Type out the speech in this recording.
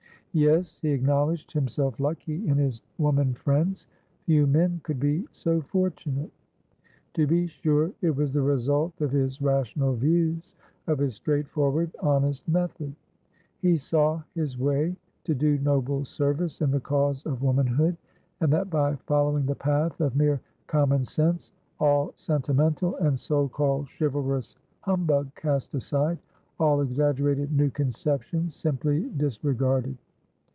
Yes, he acknowledged himself lucky in his woman friends; few men could be so fortunate. To be sure, it was the result of his rational views, of his straightforward, honest method. He saw his way to do noble service in the cause of womanhood, and that by following the path of mere common senseall sentimental and so called chivalrous humbug cast aside, all exaggerated new conceptions simply disregarded.